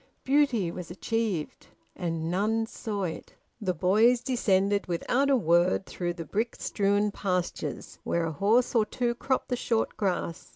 Beauty was achieved, and none saw it. The boys descended without a word through the brick strewn pastures, where a horse or two cropped the short grass.